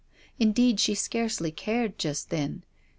Indeed she scarcely cared just then.